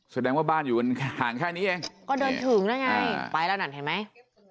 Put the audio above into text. แสดงว่าบ้านอยู่กันห่างแค่นี้เองก็เดินถึงนั่นไงไปแล้วนั่นเห็นไหม